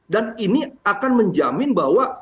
dan ini akan menjamin bahwa